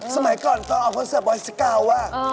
สมัยก่อนตอนออกคอนเสิร์ฟไวสิกาว่ะ